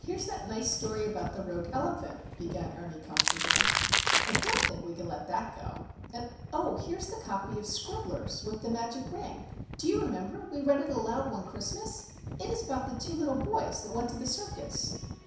"Here's that nice story about the rogue elephant," began Ernie, comfortably. "I don't think we can let that go. And, oh! here's the copy of Scribbler's with The Magic Ring. Do you remember, we read it aloud one Christmas? It is about the two little boys who went to the Circus."